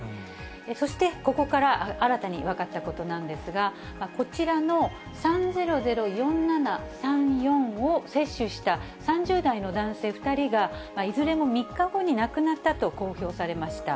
そして、ここから新たに分かったことなんですが、こちらの３００４７３４を接種した３０代の男性２人が、いずれも３日後に亡くなったと公表されました。